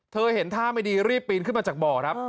เห็นท่าไม่ดีรีบปีนขึ้นมาจากบ่อครับ